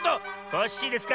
コッシーですか？